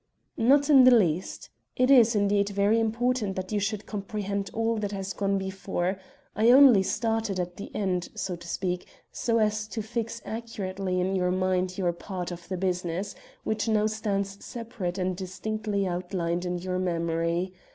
"Not in the least. It is, indeed, very important that you should comprehend all that has gone before; I only started at the end, so to speak, so as to fix accurately in your mind your part of the business, which now stands separate and distinctly outlined in your memory.